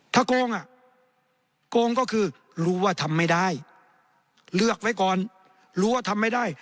ถ้าโกงอ่ะโกงก็คือรู้ว่าทำไม่ได้เลือกไว้ก่อนรู้ว่าทำไม่ได้